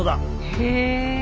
へえ。